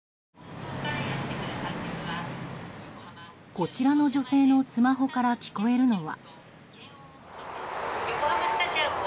こちらの女性のスマホから聞こえるのは。